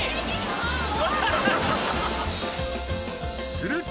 ［すると］